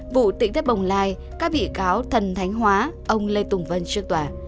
vụ tịnh thép bồng lai các bị cáo thần thánh hóa ông lê tùng vân trước tòa